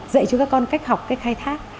dạy cho các con cách học cách khai thác